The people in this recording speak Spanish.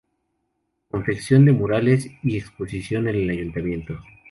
Confección de Murales y Exposición en el Ayuntamiento.